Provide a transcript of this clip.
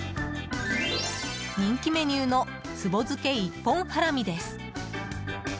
人気メニューの壺漬け一本ハラミです。